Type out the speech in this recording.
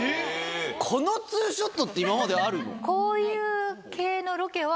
このツーショットって今まであるの？